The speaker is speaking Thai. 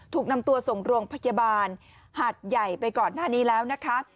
ถูกนำตัวส่งโรงพยาบาลหาดใหญ่ไปก่อนหน้านี้แล้วนะคะ